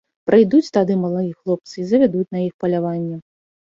Прыйдуць тады малыя хлопцы і завядуць на іх паляванне.